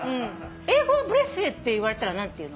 英語は「ブレスユー」って言われたら何て言うの？